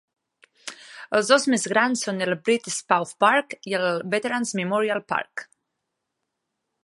Els dos més grans són el Brit Spaugh Park i el Veteran's Memorial Park.